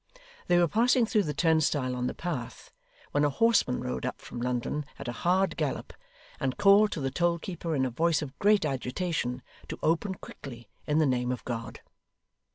They were passing through the turnstile on the path, when a horseman rode up from London at a hard gallop, and called to the toll keeper in a voice of great agitation, to open quickly in the name of God.